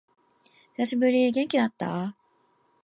久しぶり。元気だった？